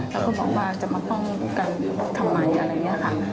แล้วก็บอกว่าจะมาป้องกันทำไมอะไรอย่างนี้ค่ะ